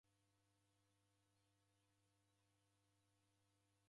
Ija mbari eko na w'ongo.